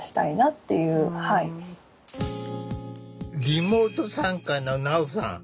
リモート参加のなおさん。